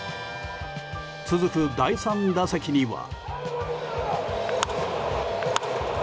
続く第３打席には。